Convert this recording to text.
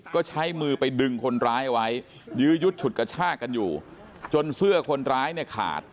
ก็ใช้มือไปดึงคนร้ายเอาไว้ยื้อยุดฉุดกระชากกันอยู่จนเสื้อคนร้ายเนี่ยขาด